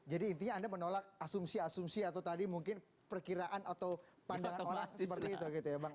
jadi intinya anda menolak asumsi asumsi atau tadi mungkin perkiraan atau pandangan orang seperti itu gitu ya bang